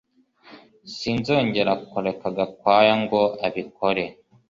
Sinzongera kureka Gakwaya ngo abikore